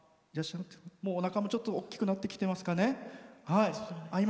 おなかもちょっと大きくなってきてますかね。